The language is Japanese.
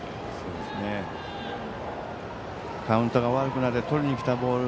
カウントが悪くなってとりにきたボール